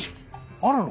あるの？